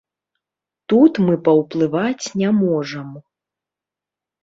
Тут мы паўплываць не можам.